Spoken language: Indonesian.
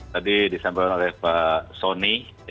tadi disampaikan oleh pak soni